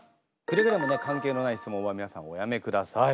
くれぐれもね関係のない質問は皆さんおやめください。